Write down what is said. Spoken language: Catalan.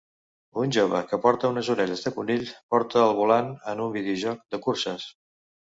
Una jove que porta unes orelles de conill porta al volant en un videojoc de curses.